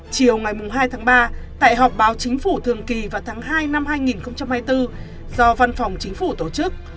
chiều ngày hai tháng ba tại họp báo chính phủ thường kỳ vào tháng hai năm hai nghìn hai mươi bốn do văn phòng chính phủ tổ chức